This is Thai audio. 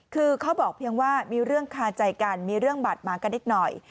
คือเขาบอกเพียงว่ามีเรื่องคาใจกันมีเรื่องบาดหมางกันนิดหน่อย